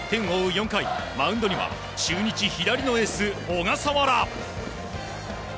４回マウンドには中日左のエース小笠原。